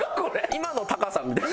今の貴さんみたいな。